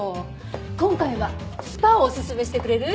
今回はスパをおすすめしてくれる？